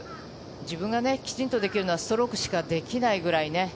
自分がきちんとできるのはストロークしかできないとね。